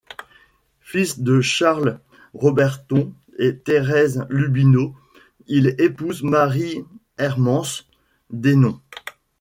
Fils de Charles Roberton et Thérèse Lubineau, il épouse Marie-Hermance Dhenon.